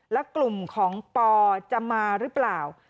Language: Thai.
และกลุ่มของปอจะมาหรือเปล่า